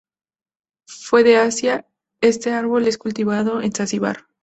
Fuera de Asia, este árbol es cultivado en Zanzibar.